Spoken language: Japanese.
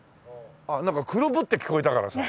あっなんか「黒ぶ」って聞こえたからさ。